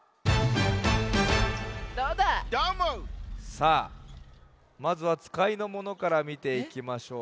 さあまずはつかいのものからみていきましょう。